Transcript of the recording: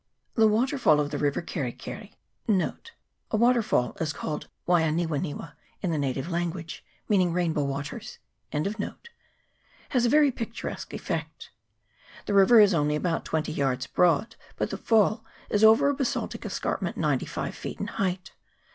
The waterfall of the river Keri keri (a water 250 KERI KERI RIVER. [PART II. fall is called Waianiwaniwa in the native language, meaning rainbow waters) has a very picturesque effect. The river is only about twenty yards broad, but the fall is over a basaltic escarpment ninety five feet in height.